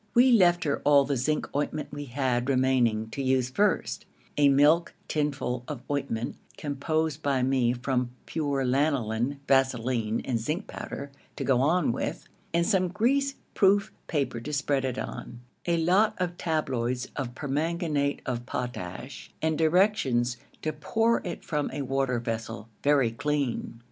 We left her all the zinc ointment we had remaining to use first; a milk tinful of ointment, composed by me from pure lanoline, vaseline, and zinc powder, to go on with, and some grease proof paper to spread it on, a lot of tabloids of permanganate of potash and directions to pour it from a water vessel, very clean.